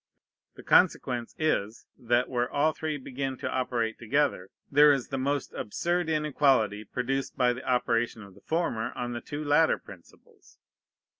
The consequence is, that, where all three begin to operate together, there is the most absurd inequality produced by the operation of the former on the two latter principles.